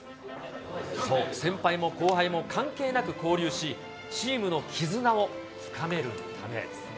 そう、先輩も後輩も関係なく交流し、チームの絆を深めるためです。